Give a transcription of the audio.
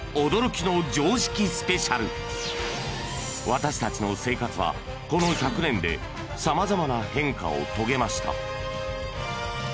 ［私たちの生活はこの１００年で様々な変化を遂げました］